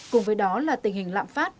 cùng với đó là tình hình lạm phát